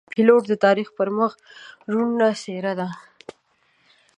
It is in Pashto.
پیلوټ د تاریخ پر مخ روڼ څېره لري.